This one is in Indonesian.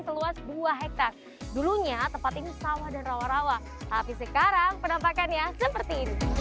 seluas dua hektare dulunya tempat ini sawah dan rawa rawa tapi sekarang penampakannya seperti ini